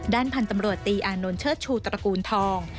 ด้านพันธุ์ตรรมรวชตีอาโนนเชิดชู้ตระกูลทอง